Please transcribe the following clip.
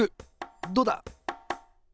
どうだ！